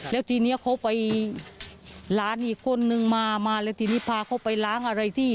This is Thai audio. แล้วทีนี้เขาไปหลานอีกคนนึงมามาแล้วทีนี้พาเขาไปล้างอะไรที่